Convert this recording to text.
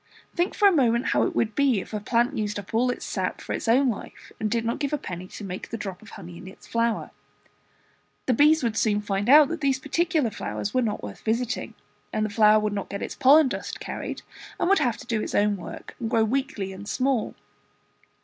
Think for a moment how it would be, if a plant used up all its sap for its own life, and did not give up any to make the drop of honey in its flower. The bees would soon find out that these particular flowers were not worth visiting, and the flower would not get its pollen dust carried, and would have to do its own work and grow weakly and small.